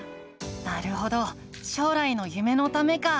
なるほど将来の夢のためか。